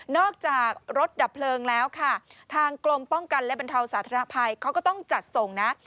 จากรถดับเพลิงแล้วค่ะทางกรมป้องกันและบรรเทาสาธารณภัยเขาก็ต้องจัดส่งนะ